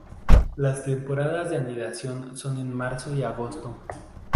Las temporadas de anidación son en marzo y agosto.